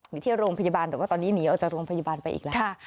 มีที่โรงพยาบาลแต่ว่าตอนนี้หนีออกจากโรงพยาบาลไปอีกแล้ว